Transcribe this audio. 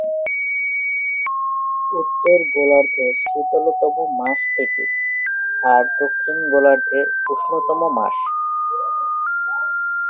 উত্তর গোলার্ধের শীতলতম মাস এটি, আর দক্ষিণ গোলার্ধের উষ্ণতম মাস।